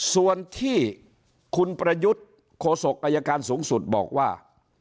ส่วนที่คุณประยุทธ์โคศกอายการสูงสุดบอกว่า